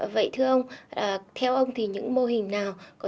vậy thưa ông theo ông thì những mô hình nào